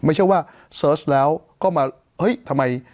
ไม่ใช่ว่าเสิร์ชแล้วก็มาเฮ้ยทำไม